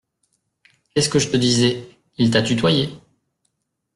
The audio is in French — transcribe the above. Qu’est-ce que je te disais ! il t’a tutoyé.